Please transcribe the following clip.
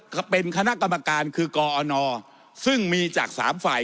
ก็เป็นคณะกรรมการคือกอนซึ่งมีจากสามฝ่าย